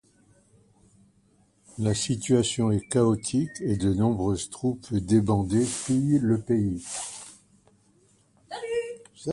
La situation est chaotique et de nombreuses troupes débandées pillent le pays.